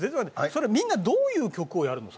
それはみんなどういう曲をやるの？